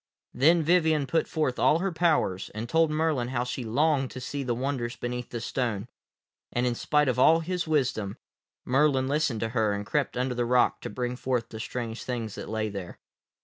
Then Vivien put forth all her powers, and told Merlin how she longed to see the wonders beneath the stone, and, in spite of all his wisdom, Merlin listened to her and crept under the rock to bring forth the strange things that lay there.